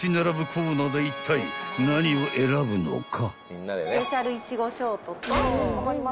コーナーでいったい何を選ぶのか］